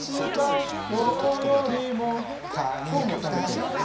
今日も食べてるじゃん。